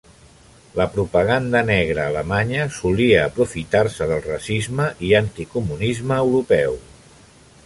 La propaganda negra alemanya solia aprofitar-se del racisme i anticomunisme europeu.